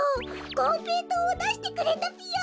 こんぺいとうをだしてくれたぴよ。